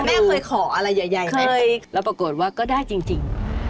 แม่เคยขออะไรใหญ่ไหมแล้วปรากฏว่าก็ได้จริง